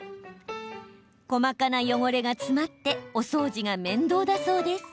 細かな汚れが詰まってお掃除が面倒だそうです。